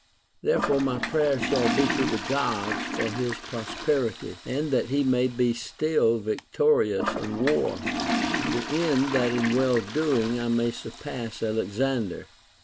Therefore my prayers shall be to the Gods for his prosperity, and that he may be still victorious in war ; to the end that in well doing I may surpass Alexander.